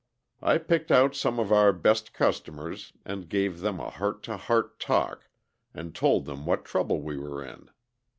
I picked out some of our best customers and gave them a heart to heart talk and told them what trouble we were in.